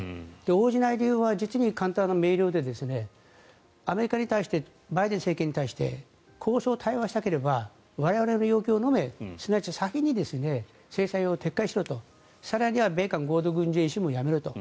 応じない理由は実に簡単で明瞭でアメリカに対してバイデン政権に対して交渉、対話したければ我々の要求をのめすなわち先に制裁を撤回しろと更には米韓合同軍事演習もやめろと。